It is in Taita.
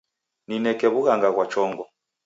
Nineke wughanga ghwa chongo.